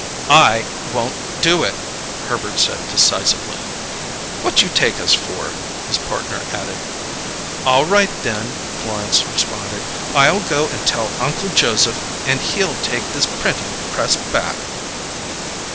"I won't do it!" Herbert said decisively. "What you take us for?" his partner added. "All right, then," Florence responded. "I'll go and tell Uncle Joseph and he'll take this printing press back."